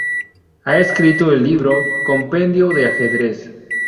Ha escrito el libro "Compendio de ajedrez.